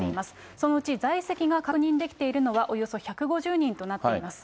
そのうち、在籍が確認できているのは、およそ１５０人となっています。